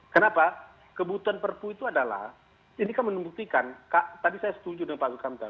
kenapa kebutuhan perpu itu adalah ini kan membuktikan tadi saya setuju dengan pak sukamta